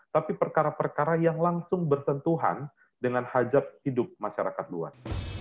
tapi perkara perkara yang langsung bersentuhan dengan hajat hidup masyarakat luar